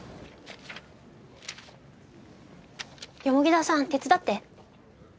田さん手伝って。